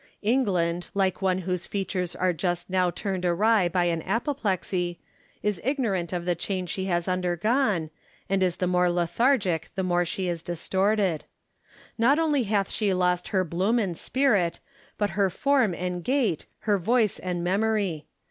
England, like one whose features are just now turned awry by an apoplexy, is ignorant of the change she has undergone, and is the more lethargic the more she is distorted, Not only hath she lost her bloom and spirit, but her form and gait, her voice and memory.